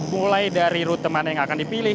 mulai dari rute mana yang akan dipilih